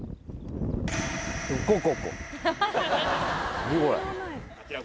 何これ？